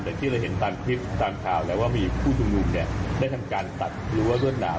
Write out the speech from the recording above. แต่ที่เราเห็นตามคลิปตามข่าวแล้วว่ามีผู้ชุมนุมเนี่ยได้ทำการตัดหรือว่ารวดหนาม